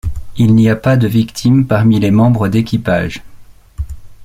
Il n'y a pas de victime parmi les membres d'équipage.